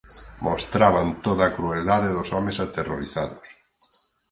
Mostraban toda a crueldade dos homes aterrorizados.